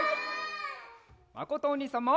まことおにいさんも！